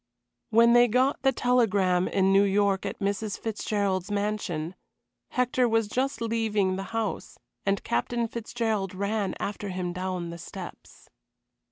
When they got the telegram in New York at Mrs. Fitzgerald's mansion, Hector was just leaving the house, and Captain Fitzgerald ran after him down the steps.